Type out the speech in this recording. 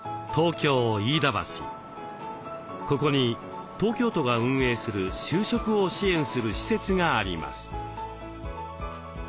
ここに東京都が運営する就職を支援する施設があります。